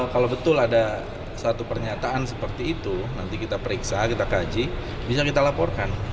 kalau betul ada satu pernyataan seperti itu nanti kita periksa kita kaji bisa kita laporkan